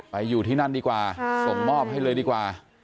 อยู่ที่นั่นดีกว่าส่งมอบให้เลยดีกว่า